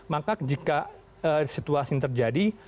maka jika situasi terjadi